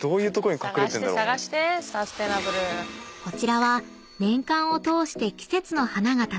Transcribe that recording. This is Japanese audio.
［こちらは年間を通して季節の花が楽しめる］